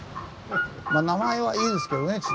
まあ名前はいいですけどね